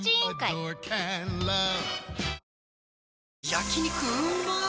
焼肉うまっ